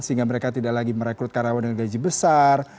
sehingga mereka tidak lagi merekrut karyawan dengan gaji besar